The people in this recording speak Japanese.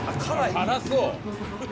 辛そう！